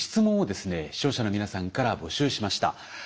視聴者の皆さんから募集しました。